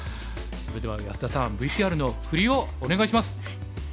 それでは安田さんＶＴＲの振りをお願いします。